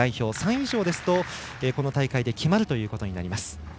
３位以上ですとこの大会で決まるということになります。